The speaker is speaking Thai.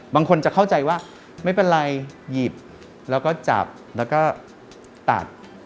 บางคนจะเข้าใจว่าไม่เป็นไรหยิบแล้วก็จับแล้วก็ตัด